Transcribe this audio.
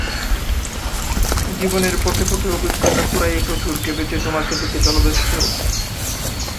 L and T তিনটি মূল পণ্য/পরিষেবায় নিযুক্ত রয়েছে: নির্মাণ ও প্রকল্প সম্পর্কিত কার্যক্রম; উৎপাদন ও বাণিজ্য কার্যক্রম; এবং প্রকৌশলী পরিষেবা।